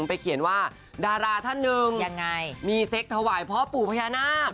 ไปเขียนว่าดาราท่านหนึ่งยังไงมีเซ็กถวายพ่อปู่พญานาค